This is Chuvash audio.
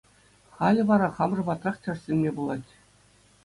Халӗ вара хамӑр патрах тӗрӗсленме пулать.